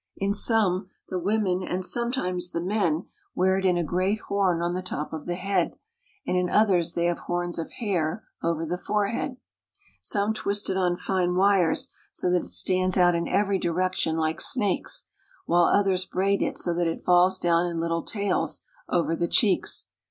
In some, the women and sometimes the men wear it in a great horn on the top of the head, and in others they have horns of hair over the forehead. Some twist it on fine wires so that it stands out in every direction like snakes, while others braid it so that it falls down in little tails over the cheeks.